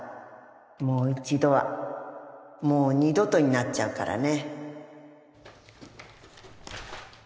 「もう一度」は「もう二度と」になっちゃうからね